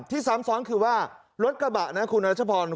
ที่ส้ำซ้อนรถกระบะคุณรัชพร